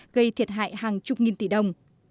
gây thiệt hại hàng chục nghìn tỷ đồng